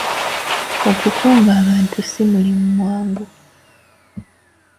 Okukunga abantu si mulimu mwangu.